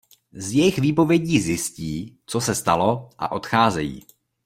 Z jejich výpovědí zjistí co se stalo a odcházejí.